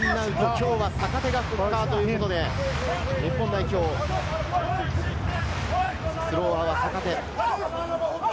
きょうは坂手がいるという、フッカーということで、日本代表のスロワーは坂手。